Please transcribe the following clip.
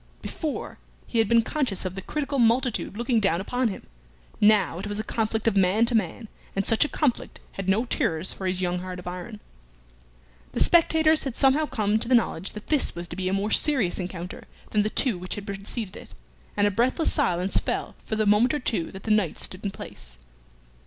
Before, he had been conscious of the critical multitude looking down upon him; now it was a conflict of man to man, and such a conflict had no terrors for his young heart of iron. The spectators had somehow come to the knowledge that this was to be a more serious encounter than the two which had preceded it, and a breathless silence fell for the moment or two that the knights stood in place.